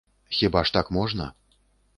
Хіба ж так можна?